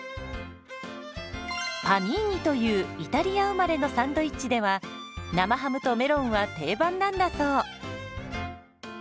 「パニーニ」というイタリア生まれのサンドイッチでは生ハムとメロンは定番なんだそう。